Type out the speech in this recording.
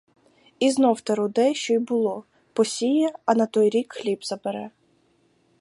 І знов те руде, що й було: посіє, а на той рік хліб забере.